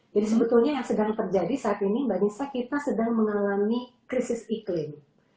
jadi sebetulnya yang sedang terjadi saat ini mbak nisa kita sedang mengalami krisis iklim